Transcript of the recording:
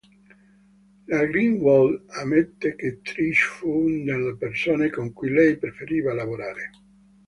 La Greenwald ammette che Trish fu una delle persone con cui lei preferiva lavorare.